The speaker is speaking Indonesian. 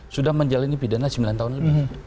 sudah menjalani pidana sembilan tahun lebih